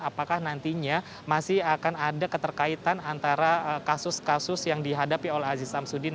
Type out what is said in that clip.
apakah nantinya masih akan ada keterkaitan antara kasus kasus yang dihadapi oleh aziz samsudin